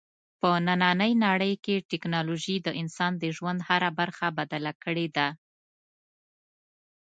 په نننۍ نړۍ کې ټیکنالوژي د انسان د ژوند هره برخه بدله کړې ده.